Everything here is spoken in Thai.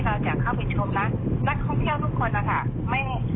แล้วก็เลยต้องใส่ชุดนี้